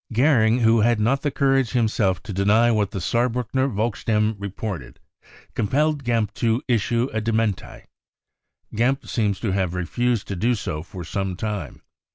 Goering, who had not the courage himself to (Jjeny what the Saarbruckener Volksstimme reported, compelled Gempp to issue a dementi, Gempp seems to have refused to do, so for some time.